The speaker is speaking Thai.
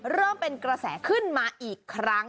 เริ่มเป็นกระแสขึ้นมาอีกครั้ง